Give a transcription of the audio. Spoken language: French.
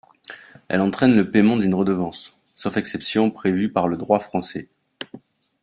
Elle entraîne le paiement d'une redevance, sauf exceptions prévues par le droit français.